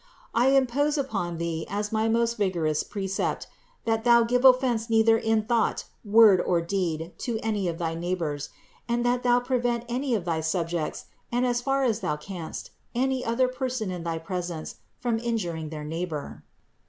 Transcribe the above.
I impose upon thee as my most vigorous precept, that thou give offense neither in thought, word or deed to any of thy neighbors ; and that thou prevent any of thy subjects, and, as far as thou canst, any other person in thy presence from injuring their neighbor.